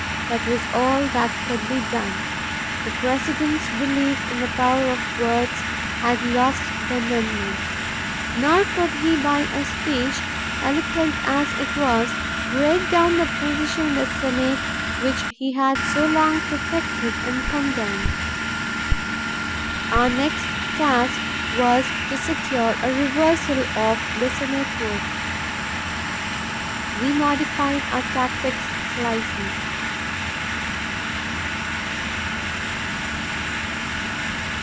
That was all that could be done. The President's belief in the power of words had lost the amendment. Nor could he by a speech, eloquent as it was, break down the opposition in the Senate which he had so long protected and condoned. Our next task was to secure a reversal of the Senate vote. We modified our tactics slightly.